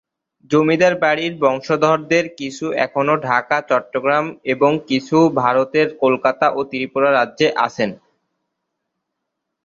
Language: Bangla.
জমিদার বাড়ির বংশধরদের কিছু এখনো ঢাকা, চট্টগ্রাম এবং কিছু ভারতের কলকাতা ও ত্রিপুরা রাজ্যে আছেন।